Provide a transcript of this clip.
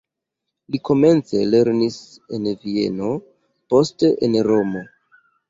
Li komence lernis en Vieno, poste en Romo.